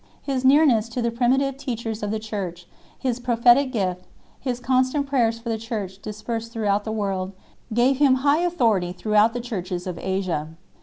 His nearness to the primitive teachers of the Church, his pro phetic gift, his constant prayers for the Church dispersed throughout the world 2 , gave him high authority throughout the churches of Asia.